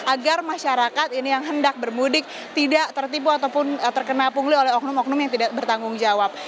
agar masyarakat ini yang hendak bermudik tidak tertipu ataupun terkena pungli oleh oknum oknum yang tidak bertanggung jawab